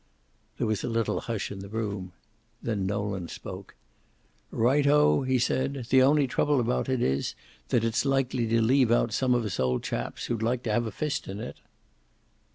There was a little hush in the room. Then Nolan spoke. "Right o!" he said. "The only trouble about it is that it's likely to leave out some of us old chaps, who'd like to have a fist in it."